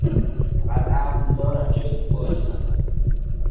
اونقدر عقل دارم که به تو باج ندم